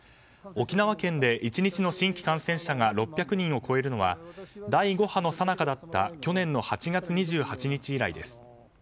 沖縄県で１日の新規感染者が６００人を超えるのは第５波のさなかだった去年の８月２８日以来です。